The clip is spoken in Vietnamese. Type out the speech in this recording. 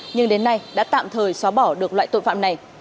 nhưng đến nay đã tạm thời xóa bỏ được loại tội phạm này